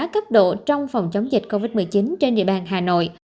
cấp độ trong phòng chống dịch covid một mươi chín trên địa bàn hà nội